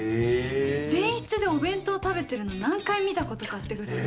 前室でお弁当食べてるの、何回見たことかってぐらい。